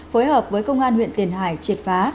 phối hợp với công an huyện tiền hải triệt phá